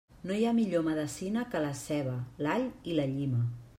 No hi ha millor medecina que la ceba, l'all i la llima.